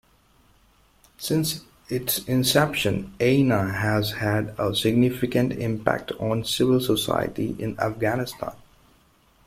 Since its inception, Aina has had a significant impact on civil society in Afghanistan.